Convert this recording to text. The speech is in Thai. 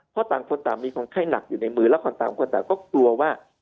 เพราะต่างคนต่างมีคนไข้หนักอยู่ในมือแล้วคนต่างคนต่างก็กลัวว่า